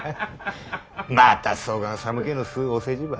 またそがん寒気のすっお世辞ば。